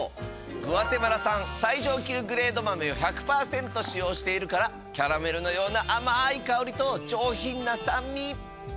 グアテマラ産最上級グレード豆を１００％使用しているからキャラメルのような甘い香りと上品な酸味。